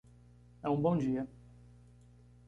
É um bom dia.